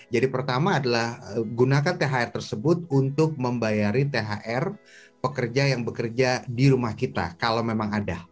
jadi pertama adalah gunakan thr tersebut untuk membayari thr pekerja yang bekerja di rumah kita kalau memang ada